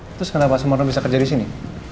lalu kenapa pak semarno bisa kerja disini